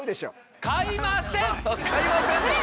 「買いません！」なの？